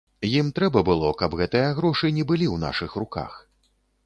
Ім трэба было, каб гэтыя грошы не былі ў нашых руках.